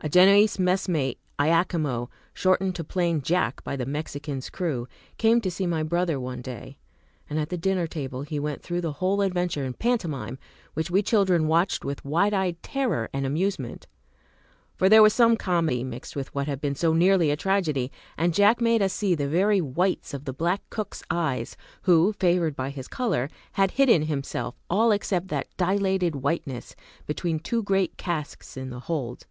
A Genoese messmate, Iachimo, shortened to plain "Jack" by the "Mexican's" crew, came to see my brother one day, and at the dinner table he went through the whole adventure in pantomime, which we children watched with wide eyed terror and amusement. For there was some comedy mixed with what had been so nearly a tragedy, and Jack made us see the very whites of the black cook's eyes, who, favored by his color, had hidden himself all except that dilated whiteness between two great casks in the bold.